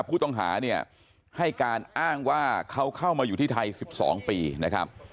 ผู้ต้องหาเนี่ยให้การอ้างว่าเขาเข้ามาอยู่ที่ไทย๑๒ปีนะครับ